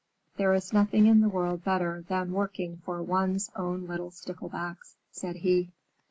"There is nothing in the world better than working for one's own little Sticklebacks," said he.